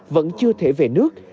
vẫn chưa thể về nước